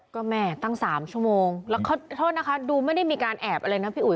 ก็แม่ตั้ง๓ชั่วโมงแล้วโทษนะคะดูไม่ได้มีการแอบอะไรนะพี่อุ๋